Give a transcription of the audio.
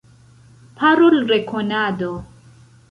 Parolrekonado.